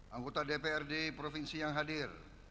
anggota dpr di provinsi yang hadir